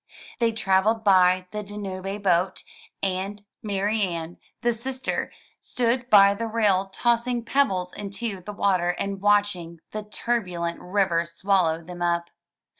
They traveled by the Danube boat, and Marianne, the sister, stood by the rail tossing pebbles into the water and watching the tur bulent river swallow them up.